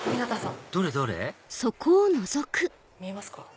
見えますか？